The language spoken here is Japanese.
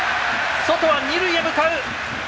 ソトは二塁に向かう！